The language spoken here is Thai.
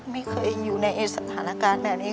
ไม่เคยอยู่ในสถานการณ์แบบนี้